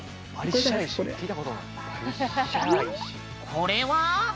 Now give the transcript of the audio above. これは？